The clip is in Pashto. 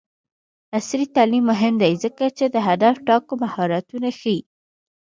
عصري تعلیم مهم دی ځکه چې د هدف ټاکلو مهارتونه ښيي.